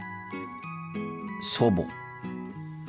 祖母。